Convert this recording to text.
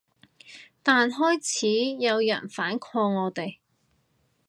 但開始有人反抗我哋